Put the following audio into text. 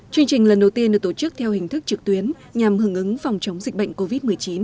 chương trình lần đầu tiên được tổ chức theo hình thức trực tuyến nhằm hưởng ứng phòng chống dịch bệnh covid một mươi chín